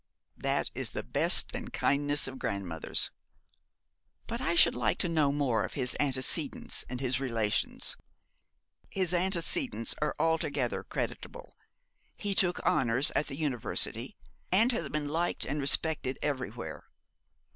'That is the best and kindest of grandmothers.' 'But I should like to know more of his antecedents and his relations.' 'His antecedents are altogether creditable. He took honours at the University; he has been liked and respected everywhere.